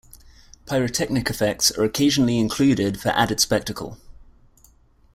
Pyrotechnic effects are occasionally included for added spectacle.